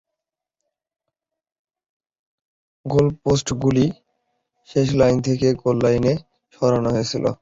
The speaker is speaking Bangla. গোলপোস্টগুলি শেষ লাইন থেকে গোল লাইনে সরানো হয়েছিল।